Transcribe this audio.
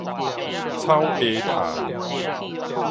草鞋蟲